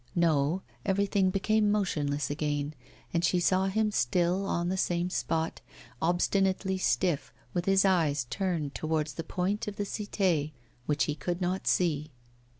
No; everything became motionless again, and she saw him still on the same spot, obstinately stiff, with his eyes turned towards the point of the Cité, which he could not see.